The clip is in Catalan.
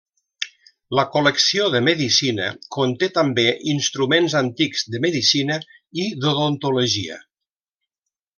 La col·lecció de medicina conté també instruments antics de medicina i d'odontologia.